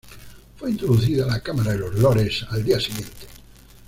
Fue introducida a la Cámara de los Lores al día siguiente.